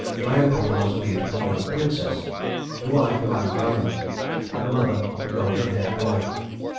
Dryope was a beautiful young princess, the wife of Andræmon, and the mother of a golden haired boy.